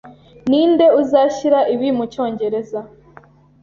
Ninde uzashyira ibi mucyongereza?